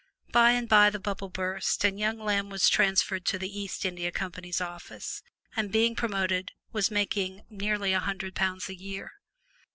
By and by the bubble burst, and young Lamb was transferred to the East India Company's office, and being promoted was making nearly a hundred pounds a year.